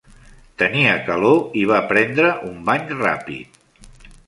Tenia calor i va prendre un bany ràpid.